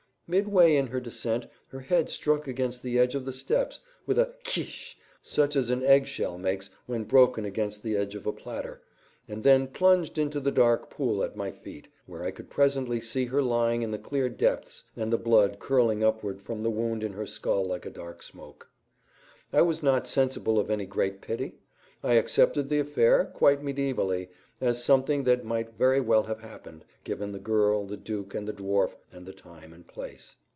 Midway in her descent her head struck against the edge of the steps, with a kish, such as an egg shell makes when broken against the edge of a platter, and then plunged into the dark pool at my feet, where I could presently see her lying in the clear depths and the blood curling upward from the wound in her skull like a dark smoke. I was not sensible of any great pity; I accepted the affair, quite mediævally, as something that might very well have happened, given the girl, the duke and the dwarf, and the time and place.